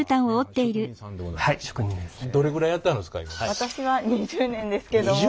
私は２０年ですけども。